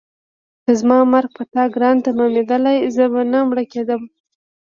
که زما مرګ په تا ګران تمامېدلی زه به نه مړه کېدم.